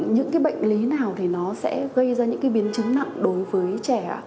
những cái bệnh lý nào thì nó sẽ gây ra những cái biến chứng nặng đối với trẻ